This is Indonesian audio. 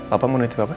apa menurut bapak